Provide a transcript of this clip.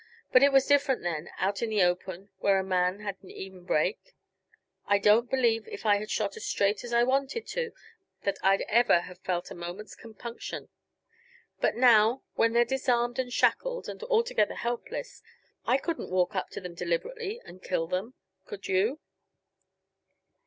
But it was different then; out in the open, where a man had an even break. I don't believe if I had shot as straight as I wanted to that I'd ever have felt a moment's compunction. But now, when they're disarmed and shackled and altogether helpless, I couldn't walk up to them deliberately and kill them could you?